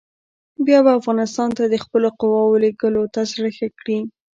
بیا به افغانستان ته د خپلو قواوو لېږلو ته زړه ښه کړي.